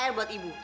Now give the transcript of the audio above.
bisa air buat ibu